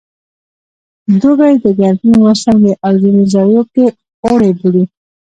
دوبی د ګرمي موسم دی او ځینې ځایو کې اوړی بولي